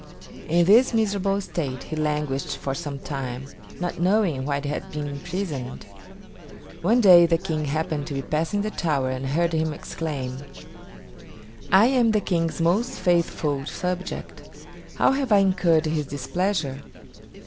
In this miserable state he languished for some time, not knowing why he had been imprisoned. One day the King happened to be passing the tower and heard him exclaim: "I am the King's most faithful subject; how have I incurred his displeasure?"